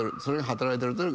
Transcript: それが働いてる。